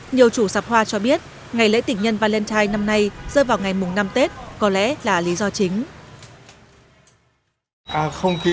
nhiều chủ sạp hoa cho biết ngày lễ tịch nhân valentine năm nay rơi vào ngày mùng năm tết có lẽ là lý do chính